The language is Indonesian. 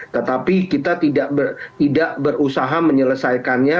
tetapi kita tidak berusaha menyelesaikannya